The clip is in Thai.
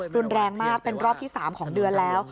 รุนแรงมากเป็นรอบที่๓ของเดือนแล้ว